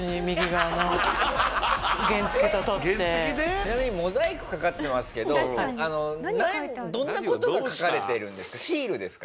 ちなみにモザイクかかってますけどどんな事が描かれてるんですか？